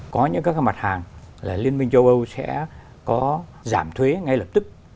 có những các mặt hàng là liên minh châu âu sẽ có giảm thuế ngay lập tức